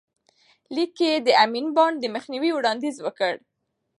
لیک کې یې د امین بانډ د مخنیوي وړاندیز وکړ.